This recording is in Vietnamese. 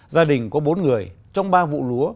gia đình có bốn người trong ba vụ lúa